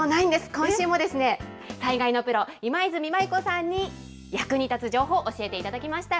今週も災害のプロ、今泉マユ子さんに役に立つ情報、教えていただきました。